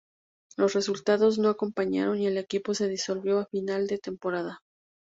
Los resultados no acompañaron y el equipo se disolvió a final de temporada.